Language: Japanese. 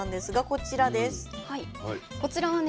こちらはね